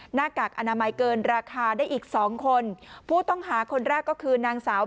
หน้ากากอนามัยเกินราคาได้อีกสองคนผู้ต้องหาคนแรกก็คือนางสาว